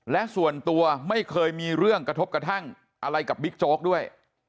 และส่วนตัวไม่เคยมีเรื่องกระทบกระทั่งอะไรกับบิ๊กโจ๊กด้วย